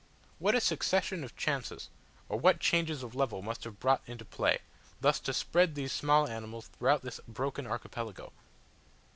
What a succession of chances, or what changes of level must have been brought into play, thus to spread these small animals throughout this broken archipelago!